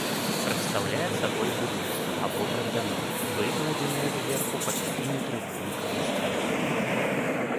Прадстаўляе сабой брус або бервяно, выкладзенае зверху па перыметры вонкавай сцяны.